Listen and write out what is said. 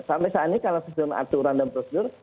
sampai saat ini kalau sesuai dengan aturan dan prosedur